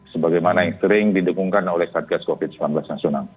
sebagai mana yang sering didukungkan oleh satgas covid sembilan belas nasional